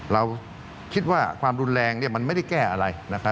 เราคิดว่าความรุนแรงมันไม่ได้แก้อะไร